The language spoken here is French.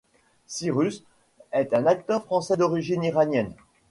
Syrus est un acteur français d'origine Iranienne.